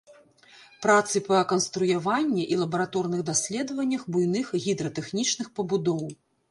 Працы па канструяванні і лабараторных даследаваннях буйных гідратэхнічных пабудоў.